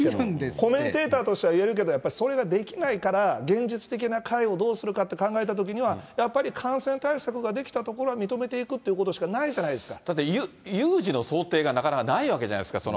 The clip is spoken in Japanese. コメンテーターとしては言えるけど、それができないから、現実的なかいをどうするかって考えたときには、やっぱり感染対策ができたところは認めていくということしかないだって、有事の想定がなかなかないわけじゃないですか。